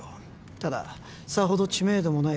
たださほど知名度もない